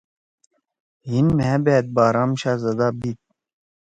ہین مھا بأت بارام شاھزادہ بیِت۔